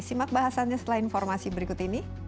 simak bahasannya setelah informasi berikut ini